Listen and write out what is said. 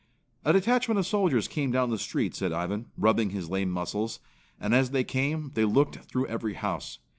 "A detachment of soldiers came down the street," said Ivan, rubbing his lame muscles, "and as they came they looked through every house.